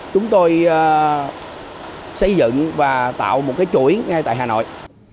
chúng tôi xây dựng và tạo một cái chuỗi ngay tại hà nội